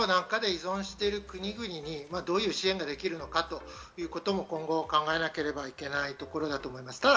食料など、かなり依存している国々にどういう支援ができるのかを今後、考えなければいけないところだと思います。